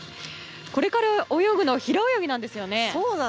これから泳ぐの平泳ぎなんですよね。